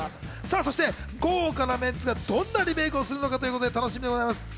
そして豪華なメンツがどんなリメイクをするのか楽しみでございます。